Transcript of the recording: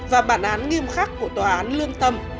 và bản án nghiêm khắc của tòa án lương tâm